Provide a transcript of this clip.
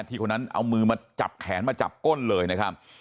คนนั้นเอามือมาจับแขนมาจับก้นเลยนะครับ